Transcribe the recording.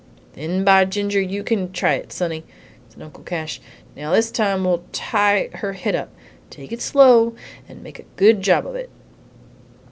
"Then, by ginger, you can try it, sonny!" said Uncle Cash. "Now this time we'll tie her head up. Take it slow, and make a good job of it."